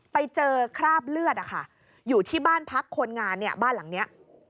ไปเจอคราบเลือดอยู่ที่บ้านพักคนงานเนี่ยบ้านหลังนี้